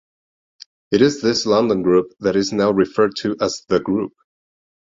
It is this London group that is now referred to as "The Group".